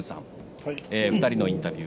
２人のインタビュー